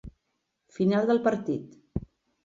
Final del partit.